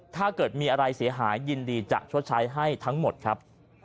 ถ้าเกิดมีอะไรเสียหายยินดีจะชดใช้ให้ทั้งหมดครับ